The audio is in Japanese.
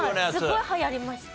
すごい流行りました。